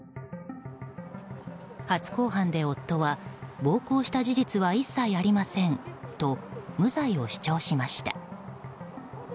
初公判で夫は暴行した事実は一切ありませんと無罪を主張しました。